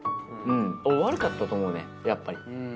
うん悪かったと思うねやっぱり。